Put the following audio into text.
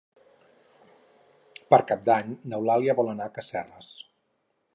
Per Cap d'Any n'Eulàlia vol anar a Caseres.